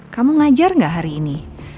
kamu ngajar gak hari ini